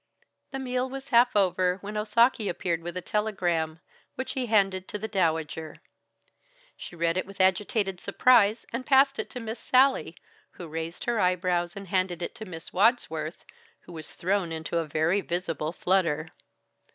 The meal was half over when Osaki appeared with a telegram, which he handed to the Dowager. She read it with agitated surprise and passed it to Miss Sallie, who raised her eyebrows and handed it to Miss Wadsworth, who was thrown into a very visible flutter.